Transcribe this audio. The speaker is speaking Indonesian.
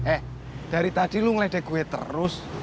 eh dari tadi lu ngeledek gue terus